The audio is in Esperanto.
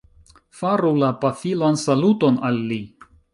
Faru la pafilan saluton al li